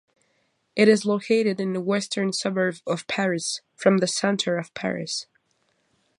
It is located in the western suburbs of Paris, from the center of Paris.